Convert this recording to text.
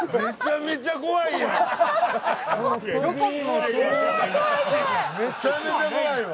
めちゃめちゃ怖いわ。